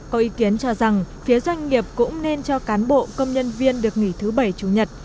có ý kiến cho rằng phía doanh nghiệp cũng nên cho cán bộ công nhân viên được nghỉ thứ bảy chủ nhật